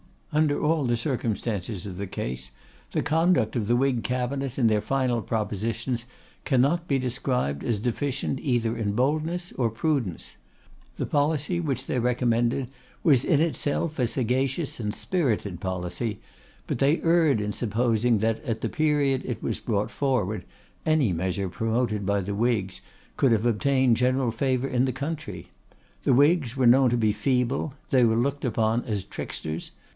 Under all the circumstances of the case, the conduct of the Whig Cabinet, in their final propositions, cannot be described as deficient either in boldness or prudence. The policy which they recommended was in itself a sagacious and spirited policy; but they erred in supposing that, at the period it was brought forward, any measure promoted by the Whigs could have obtained general favour in the country. The Whigs were known to be feeble; they were looked upon as tricksters.